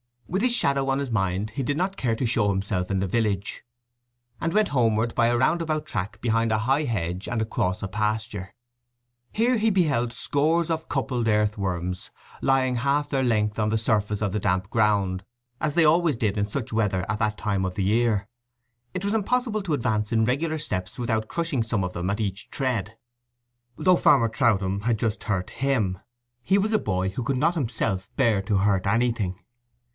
With this shadow on his mind he did not care to show himself in the village, and went homeward by a roundabout track behind a high hedge and across a pasture. Here he beheld scores of coupled earthworms lying half their length on the surface of the damp ground, as they always did in such weather at that time of the year. It was impossible to advance in regular steps without crushing some of them at each tread. Though Farmer Troutham had just hurt him, he was a boy who could not himself bear to hurt anything.